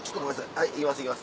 はい行きます。